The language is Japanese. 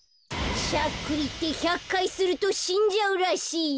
しゃっくりって１００かいするとしんじゃうらしいよ。